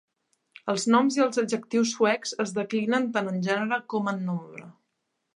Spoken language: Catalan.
Els noms i els adjectius suecs es declinen tant en gènere com en nombre.